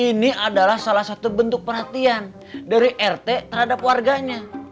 ini adalah salah satu bentuk perhatian dari rt terhadap warganya